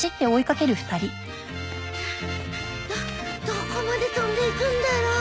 どどこまで飛んでいくんだろう。